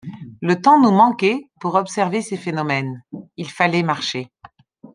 Le temps nous manquait pour observer ces phénomènes ; il fallait marcher.